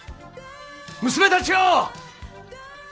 娘たちよ！